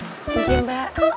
oh bencin bak